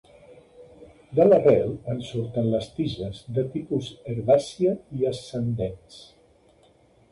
De l'arrel en surten les tiges, de tipus herbàcia i ascendents.